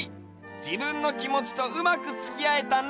じぶんのきもちとうまくつきあえたね！